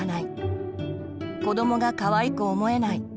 子どもがかわいく思えない。